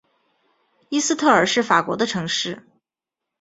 伊斯特尔是法国的城市。